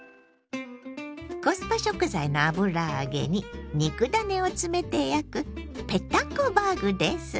コスパ食材の油揚げに肉ダネを詰めて焼くぺったんこバーグです。